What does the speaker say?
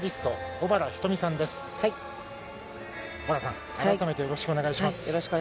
小原さん、よろしくお願いします。